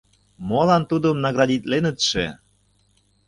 — Молан тудым наградитленытше?